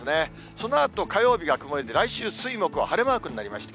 そのあと火曜日が曇りで、来週、水木は晴れマークになりました。